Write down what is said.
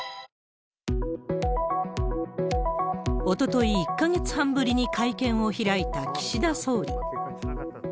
おととい、１か月半ぶりに会見を開いた岸田総理。